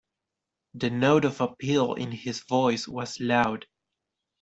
The note of appeal in his voice was loud.